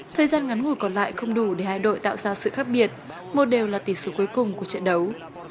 thời gian ngắn ngủi còn lại không đủ để hai đội tạo ra sự khác biệt một đều là tỷ số cuối cùng của trận đấu